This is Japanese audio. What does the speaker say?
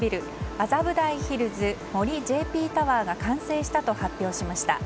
麻布台ヒルズ森ＪＰタワーが完成したと発表しました。